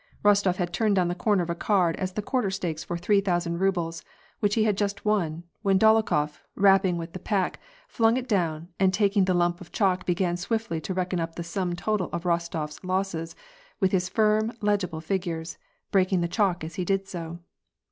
Eostof had turned down the corner of a card as the quarter stakes for three thousand rubles, which he had jast won, when Dolokhof, rapping with the pack, flung it down, and taking the lump of chalk began swiftly to reckon up the smn total of Eostof 's losses, with his firm, legible figures, breaking the chalk as he did so.